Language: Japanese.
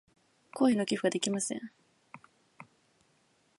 声の寄付ができません。